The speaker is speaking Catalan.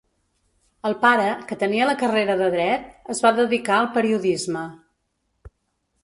El pare, que tenia la carrera de dret, es va dedicar al periodisme.